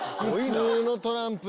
普通のトランプですね。